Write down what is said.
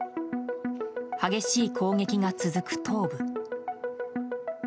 激しい攻撃が続く東部。